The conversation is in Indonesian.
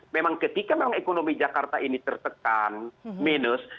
memang ketika memang ekonomi jakarta ini tertekan minus